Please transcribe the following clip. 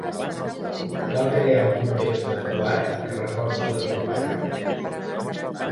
Cal crear un context adequat que reforci la troballa.